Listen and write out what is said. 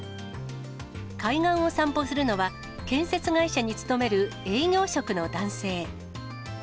海岸を散歩するのは、建設会社に勤める営業職の男性。